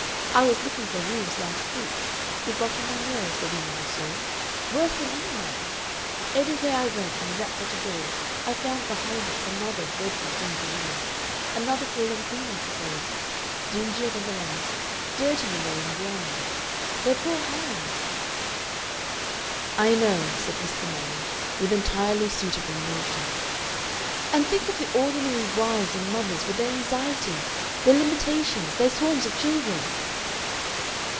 I was looking for rooms last week. It got on my nerves the women I saw. Worse than any man. Everywhere I went and rapped at a door I found behind it another dreadful dingy woman another fallen queen, I suppose dingier than the last, dirty, you know, in grain. Their poor hands!" "I know," said Mr. Manning, with entirely suitable emotion. "And think of the ordinary wives and mothers, with their anxiety, their limitations, their swarms of children!"